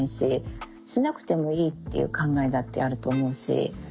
しなくてもいいっていう考えだってあると思うし。